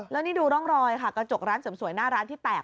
แล้วนี่ดูร่องรอยค่ะกระจกร้านเสริมสวยหน้าร้านที่แตก